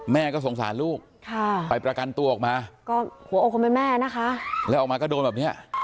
แม่ก็สงสารลูกไปประกันตัวออกมาและออกมาก็โดนแบบเนี่ย